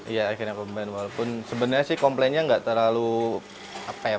ya akhirnya komplain walaupun sebenarnya sih komplainnya enggak terlalu fatal cuman benang